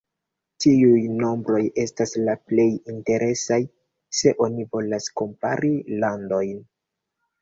Tiuj nombroj estas la plej interesaj, se oni volas kompari landojn.